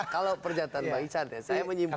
kalau pernyataan bang ican ya saya menyimpulkan